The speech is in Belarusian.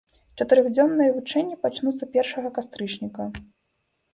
Чатырохдзённыя вучэнні пачнуцца першага кастрычніка.